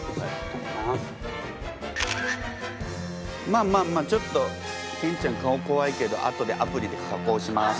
まあまあまあちょっとケンちゃん顔こわいけどあとでアプリで加工します。